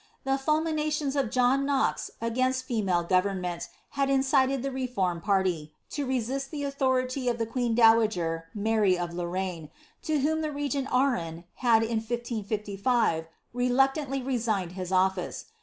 The fnhninations of John Knox against female government had incited the nibnned party, to resist the authority of the queen dowager, Mary of Lorraine, to whom the regent Arran, had in 1555, reluctantly resigned his office.